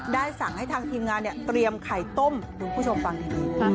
สั่งให้ทางทีมงานเนี่ยเตรียมไข่ต้มคุณผู้ชมฟังดี